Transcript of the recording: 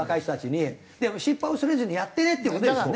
失敗を恐れずにやってねっていう事ですよね？